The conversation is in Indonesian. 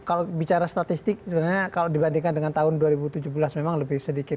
dan kalau bicara statistik sebenarnya kalau dibandingkan dengan tahun dua ribu tujuh belas memang lebih sedikit